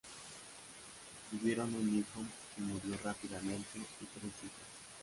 Tuvieron un hijo, que murió rápidamente, y tres hijas.